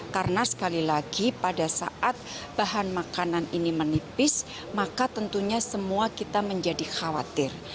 karena sekali lagi pada saat bahan makanan ini menipis maka tentunya semua kita menjadi khawatir